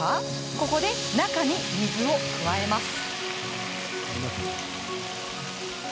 ここで中に水を加えます。